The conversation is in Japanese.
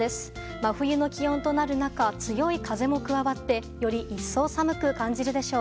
真冬の気温となる中強い風も加わってより一層寒く感じるでしょう。